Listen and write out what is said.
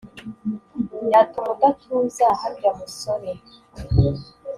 yatuma udatuza harya musore